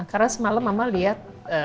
karena semalam mama liat